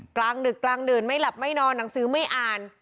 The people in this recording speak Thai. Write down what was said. กลางดึกกลางดื่นไม่หลับไม่นอนหนังสือไม่อ่าน